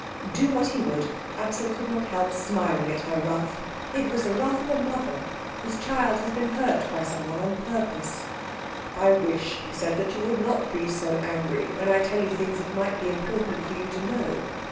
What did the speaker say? Do what he would, Axel could not help smiling at her wrath. It was the wrath of a mother whose child has been hurt by someone on purpose, "I wish," he said, "that you would not be so angry when I tell you things that might be important for you to know.